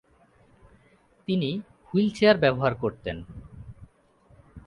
তিনি হুইলচেয়ার ব্যবহার করতেন।